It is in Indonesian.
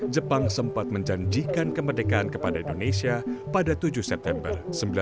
jepang sempat menjanjikan kemerdekaan kepada indonesia pada tujuh september seribu sembilan ratus empat puluh